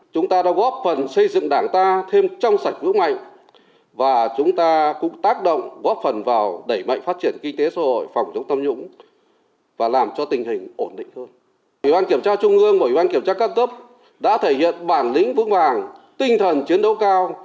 các cấp đã thể hiện bản lĩnh vững vàng tinh thần chiến đấu cao